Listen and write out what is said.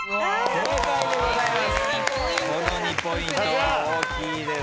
正解でございます。